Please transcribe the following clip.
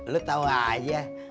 lu tahu aja